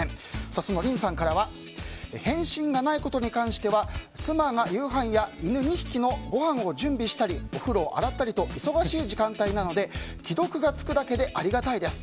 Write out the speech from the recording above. その凛さんからは返信がないことに関しては妻が夕飯や犬２匹のごはんを準備したり風呂を洗ったりと忙しい時間帯なので既読がつくだけありがたいです。